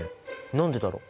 何でだろう？